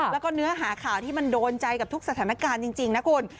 แล้วก็เนื้อหาข่าวที่มันโดนใจกับทุกสถานการณ์จริงนะคุณ